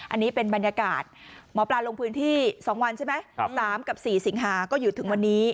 อันนี้เป็นบรรยากาศหมอปลาลงพื้นที่๒วันใช่ไหม๓กับ๔สิงหาก็อยู่ถึงวันนี้